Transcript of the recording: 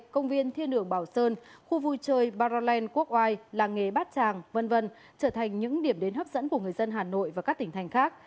công viên thiên đường bảo sơn khu vui chơi baralen quốc oai làng nghề bát tràng v v trở thành những điểm đến hấp dẫn của người dân hà nội và các tỉnh thành khác